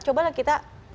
coba kita memproses segera